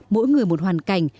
mỗi người một hoàn cảnh